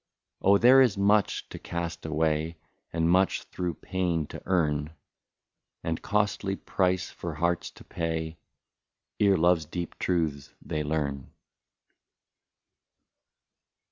Oh ! there is much to cast away, And much through pain to earn, And costly price for hearts to pay. Ere love's deep truths they learn.